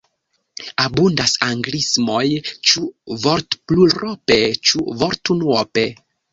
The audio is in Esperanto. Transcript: Abundas anglismoj – ĉu vortplurope, ĉu vortunuope.